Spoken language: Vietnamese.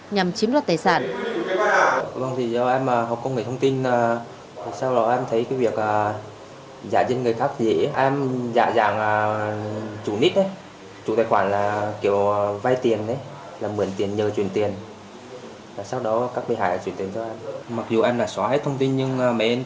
nhằm chiếm đoạt tài sản